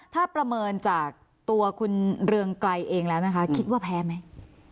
ถ้าประเมินจากตัวคุณเรืองไกรเองแล้วนะคะคิดว่าแพ้ไหม